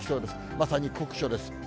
まさに酷暑です。